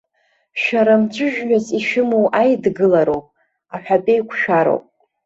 Шәара мҵәыжәҩас ишәымоу аидгылароуп, аҳәатәеиқәшәароуп.